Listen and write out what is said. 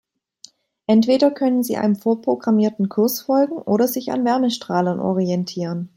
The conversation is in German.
Entweder können sie einem vorprogrammierten Kurs folgen oder sich an Wärmestrahlern orientieren.